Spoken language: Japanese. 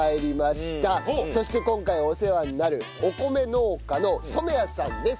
そして今回お世話になるお米農家の染谷さんです。